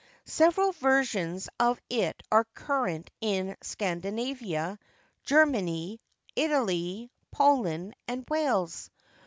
Several versions of it are current in Scandinavia, Germany, Italy, Poland, and Wales.